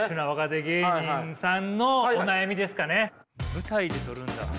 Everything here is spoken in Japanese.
舞台で撮るんだ。